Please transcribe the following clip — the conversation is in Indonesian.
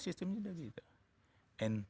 sistemnya udah gitu and